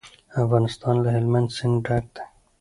افغانستان له هلمند سیند ډک دی.